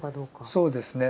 そうですね。